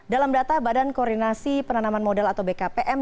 dalam data badan koordinasi penanaman modal atau bkpm